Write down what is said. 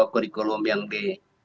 kurikulum yang di